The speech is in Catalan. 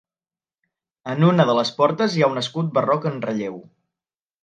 En una de les portes hi ha un escut barroc en relleu.